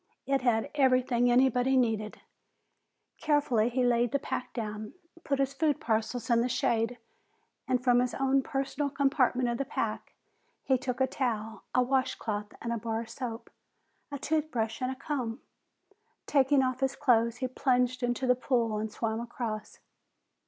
It had everything anyone needed. Carefully, he laid the pack down, put his food parcels in the shade, and from his own personal compartment of the pack he took a towel, a wash cloth, a bar of soap, a tooth brush and a comb. Taking off his clothes, he plunged into the pool and swam across.